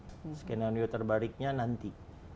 dan skenario terbariknya nanti